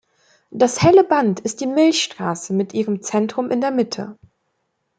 Das helle Band ist die Milchstraße, mit ihrem Zentrum in der Mitte.